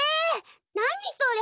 何それ！？